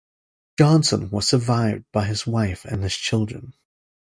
Johnson was survived by his wife and his children.